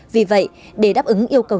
vì vậy để đáp ứng yêu cầu